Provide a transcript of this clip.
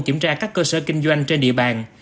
kiểm tra các cơ sở kinh doanh trên địa bàn